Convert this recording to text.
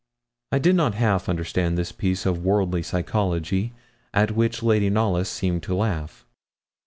I did not half understand this piece of worldly psychology, at which Lady Knollys seemed to laugh.